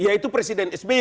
ya itu presiden sby